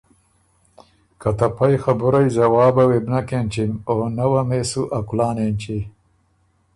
که ته پئ خبُرئ ځوابه وې بو نک اېنچِم او نۀ وه مې سو ا کُلان اېنچی۔